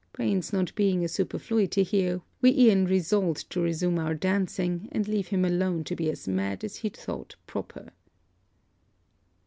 Brains not being a superfluity here, we e'en resolved to resume our dancing, and leave him alone to be as mad as he thought proper.